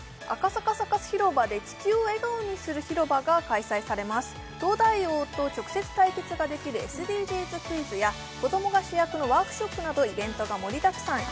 サカス広場で「地球を笑顔にする広場」が開催されます「東大王」と直接対決ができるＳＤＧｓクイズや子供が主役のワークショップなどイベントが盛りだくさん